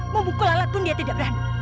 memukul alat pun dia tidak berani